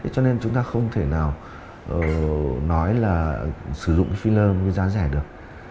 cho nên chúng ta không thể nào nói là sử dụng filler với giá rẻ được